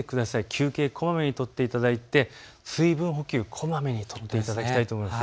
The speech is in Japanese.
休憩をこまめに取っていただいて水分補給をこまめにとっていただきたいと思います。